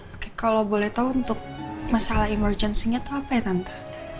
oke kalau boleh tahu untuk masalah emergency nya itu apa ya nampa